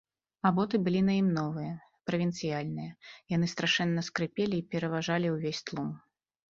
А боты былі на ім новыя, правінцыяльныя, яны страшэнна скрыпелі і пераважалі ўвесь тлум.